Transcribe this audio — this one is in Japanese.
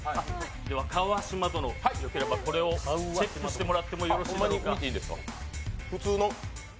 では川島殿、よければこれをチェックしてもらってもよろしいだろうか。